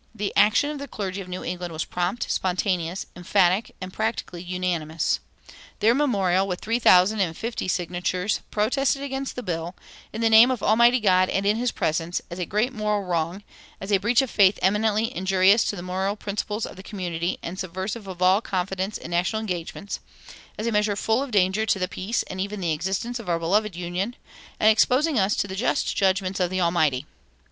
The action of the clergy of New England was prompt, spontaneous, emphatic, and practically unanimous. Their memorial, with three thousand and fifty signatures, protested against the bill, "in the name of Almighty God and in his presence," as "a great moral wrong; as a breach of faith eminently injurious to the moral principles of the community and subversive of all confidence in national engagements; as a measure full of danger to the peace and even the existence of our beloved Union, and exposing us to the just judgments of the Almighty."